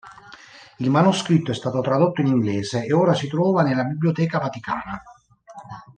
Il manoscritto è stato tradotto in inglese e ora si trova nella Biblioteca Vaticana.